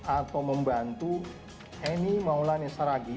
atau membantu emi maulani saraghi